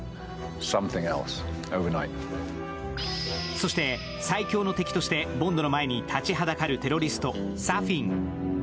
そして最強の敵としてボンドの前に立ちはだかるテロリストテロリスト、サフィン。